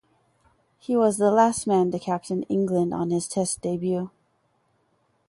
He was the last man to captain England on his Test debut.